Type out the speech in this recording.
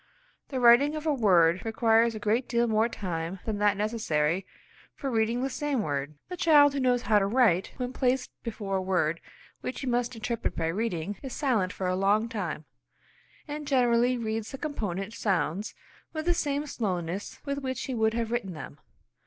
The writing of a word requires a great deal more time than that necessary for reading the same word. The child who knows how to write, when placed before a word which he must interpret by reading, is silent for a long time, and generally reads the component sounds with the same slowness with which he would have written them.